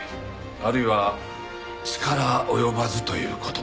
あるいは力及ばずという事も。